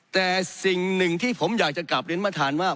แต่สิ่งหนึ่งที่ผมอยากจะกลับเรียนประธานว่า